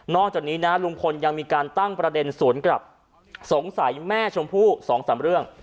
จากนี้นะลุงพลยังมีการตั้งประเด็นสวนกลับสงสัยแม่ชมพู่๒๓เรื่อง